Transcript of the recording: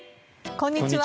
こんにちは。